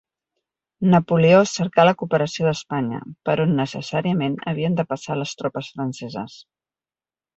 Napoleó cercà la cooperació d'Espanya, per on necessàriament havien de passar les tropes franceses.